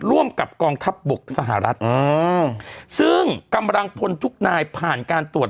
ร่วมกับกองทัพบกสหรัฐซึ่งกำลังพลทุกนายผ่านการตรวจ